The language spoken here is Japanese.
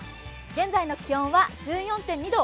現在の気温は１４．２度